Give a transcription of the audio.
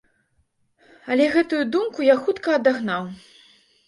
Але гэтую думку я хутка адагнаў.